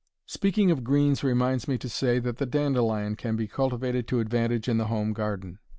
Speaking of greens reminds me to say that the dandelion can be cultivated to advantage in the home garden.